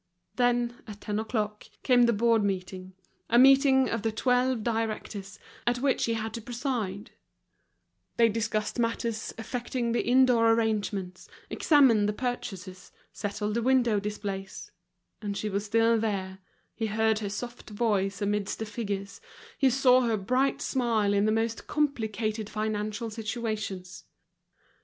Then, at ten o'clock, came the board meeting, a meeting of the twelve directors, at which he had to preside; they discussed matters affecting the in door arrangements, examined the purchases, settled the window displays; and she was still there, he heard her soft voice amidst the figures, he saw her bright smile in the most complicated financial situations.